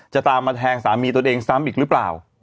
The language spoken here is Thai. จะตามมาแทงสามีตัวเองซ้ำอีกหรือเปล่า